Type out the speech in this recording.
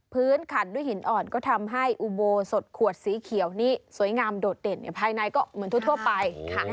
ขันด้วยหินอ่อนก็ทำให้อุโบสดขวดสีเขียวนี่สวยงามโดดเด่นภายในก็เหมือนทั่วไป